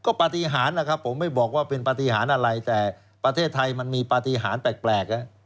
ก็ปฏิหารนะครับผมไม่บอกว่าเป็นปฏิหารอะไรแต่ประเทศไทยมันมีปฏิหารแปลก